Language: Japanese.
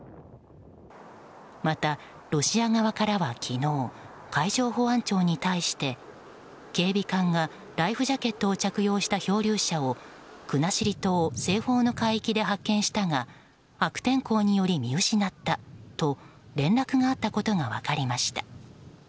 また、ロシア側からは昨日海上保安庁に対して警備艦がライフジャケットを着用した漂流者を国後島西方の海域で発見したが悪天候により見失ったと連絡があったことが分かりました。